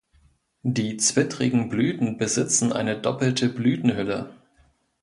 Die zwittrigen Blüten besitzen eine doppelte Blütenhülle.